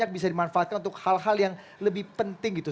bisa dimanfaatkan untuk hal hal yang lebih penting gitu